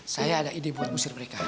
saya ada ide buat ngusir mereka